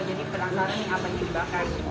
jadi penasaran nih apa yang dibakar